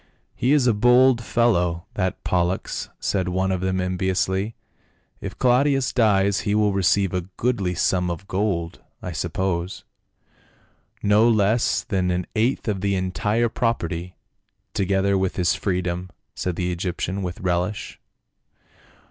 " He is a bold fellow, that Pollux," said one of them enviously, " if Claudius dies he will receive a goodly sum of gold, I suppose." " No less than an eighth of the entire property," together with his freedom," said the Egyptian with relish.